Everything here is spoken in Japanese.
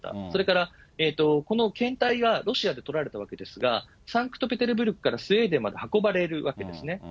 それからこの検体がロシアで採られたわけですが、サンクトペテルブルクからスウェーデンまで運ばれるわけですね。